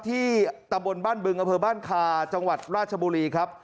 ตะบนบ้านบึงอำเภอบ้านคาจังหวัดราชบุรีครับ